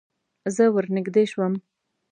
زه ور نږدې شوم.